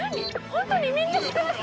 ホントにみんな知ってます？